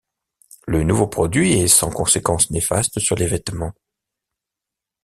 Le nouveau produit est sans conséquence néfaste sur les vêtements.